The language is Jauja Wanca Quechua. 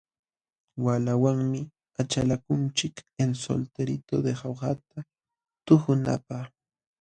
Waqlawanmi achalakunchik El solterito de jaujata tuhunapaq.